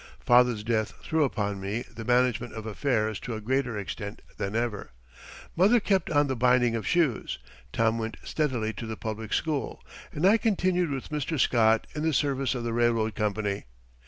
Father's death threw upon me the management of affairs to a greater extent than ever. Mother kept on the binding of shoes; Tom went steadily to the public school; and I continued with Mr. Scott in the service of the railroad company.